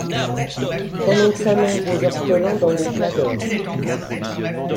Pendant que ça mange des ortolans dans des plats d'or!